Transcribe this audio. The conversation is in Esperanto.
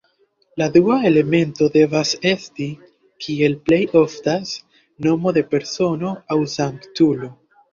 La dua elemento devas esti, kiel plej oftas, nomo de persono aŭ sanktulo.